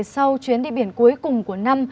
sau chuyến đi biển cuối cùng của năm